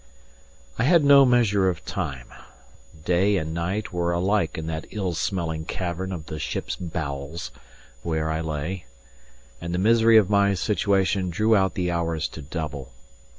I had no measure of time; day and night were alike in that ill smelling cavern of the ship's bowels where I lay; and the misery of my situation drew out the hours to double.